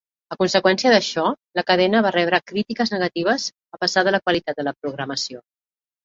A conseqüència d'això, la cadena va rebre crítiques negatives a pesar de la qualitat de la programació.